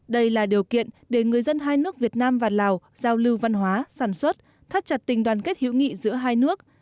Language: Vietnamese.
đây là điều kiện để người dân hai nước việt nam và lào giao lưu văn hóa sản xuất thắt chặt tình đoàn kết hữu nghị giữa hai nước